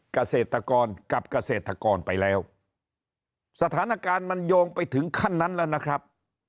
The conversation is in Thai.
เกษตรกรกับเกษตรกรไปแล้วสถานการณ์มันโยงไปถึงขั้นนั้นแล้วนะครับ